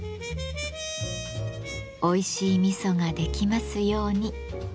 おいしい味噌ができますように。